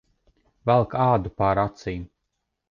Velk ādu pār acīm.